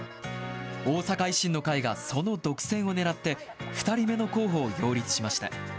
大阪維新の会がその独占をねらって、２人目の候補を擁立しました。